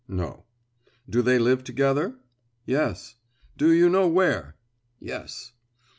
"No." "Do they live together?" "Yes." "Do you know where?" "Yes."